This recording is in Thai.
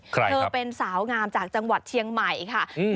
เธอเป็นสาวงามจากจังหวัดเชียงใหม่ค่ะอืม